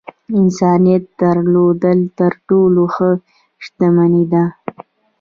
انسانيت درلودل تر ټولو ښۀ شتمني ده .